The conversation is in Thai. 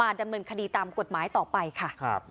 มาดำเมินคดีตามกฎหมายต่อไปค่ะครับ